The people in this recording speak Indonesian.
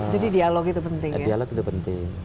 jadi dialog itu penting ya dialog itu penting